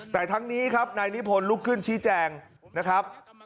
แต่ทั้งนี้ครับนายนิพนธ์ลุกขึ้นชี้แจงนะครับ